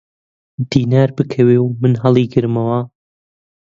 دینار بکەوێ و من هەڵیگرمەوە!